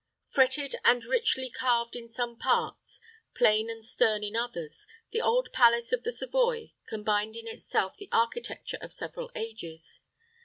Fretted and richly carved in some parts, plain and stern in others, the old palace of the Savoy combined in itself the architecture of several ages.